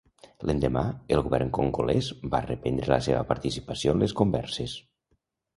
L'endemà, el govern congolès va reprendre la seva participació en les converses.